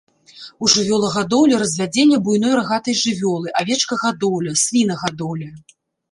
У жывёлагадоўлі развядзенне буйной рагатай жывёлы, авечкагадоўля, свінагадоўля.